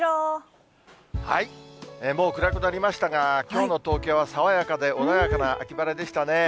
もう暗くなりましたが、きょうの東京は爽やかで、穏やかな秋晴れでしたね。